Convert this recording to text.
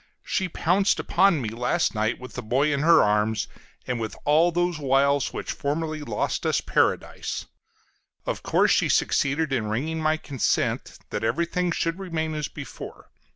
She pounced upon me last night with the boy in her arms, and with all those wiles which formerly lost us Paradise; of course she succeeded in wringing my consent that everything should remain as before.